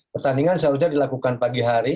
pertandingan seharusnya dilakukan pagi hari